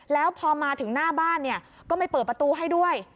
แล้วพอมาถึงหน้าบ้านก็ไม่เปิดประตูให้ด้วย